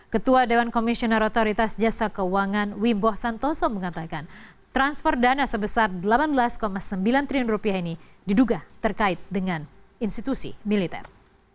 ketua dewan komisioner otoritas jasa keuangan wimbo santoso mengatakan transfer dana sebesar rp delapan belas sembilan triliun rupiah ini diduga terkait dengan institusi militer